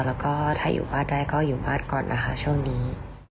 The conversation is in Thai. แล้วก็ถ้าอยู่บ้านได้ก็อยู่บ้านก่อนนะคะช่วงนี้